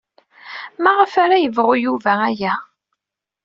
Maɣef ara yebɣu Yuba aya?